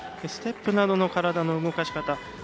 ステップなどの体の動かしかた。